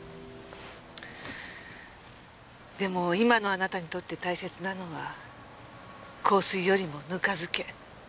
でも今のあなたにとって大切なのは香水よりもぬか漬け。